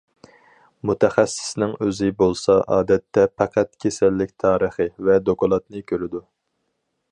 مۇتەخەسسىسنىڭ ئۆزى بولسا ئادەتتە پەقەت كېسەللىك تارىخى ۋە دوكلاتنى كۆرىدۇ.